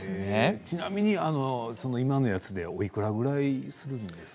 ちなみに今のやつでおいくらくらいするんですか？